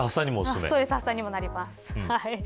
ストレス発散にもなります。